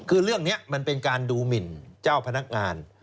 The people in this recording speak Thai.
คือเรื่องนี้มันเป็นการดูหมินเจ้าพนักงาน